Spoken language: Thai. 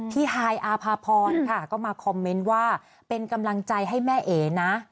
ฮายอาภาพรค่ะก็มาคอมเมนต์ว่าเป็นกำลังใจให้แม่เอ๋นะ